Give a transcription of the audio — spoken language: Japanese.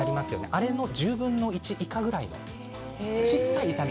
あれの１０分の１ぐらい。